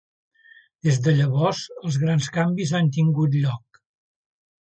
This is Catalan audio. Des de llavors, els grans canvis han tingut lloc.